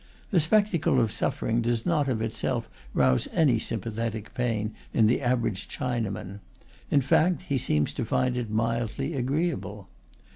The spectacle of suffering does not of itself rouse any sympathetic pain in the average Chinaman; in fact, he seems to find it mildly agreeable.